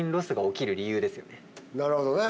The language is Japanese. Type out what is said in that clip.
なるほどね！